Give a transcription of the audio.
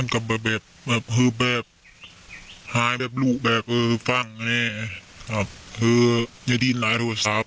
กับแบบแบบคือแบบหาแบบมูลแบบฝั่งตัวเนี้ยครับมีดิ่นหลายโทรศัพท์